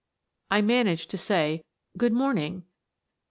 I managed to say :" Good morning."